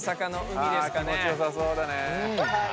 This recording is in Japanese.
気もちよさそうだね。